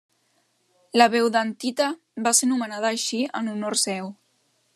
La beudantita va ser nomenada així en honor seu.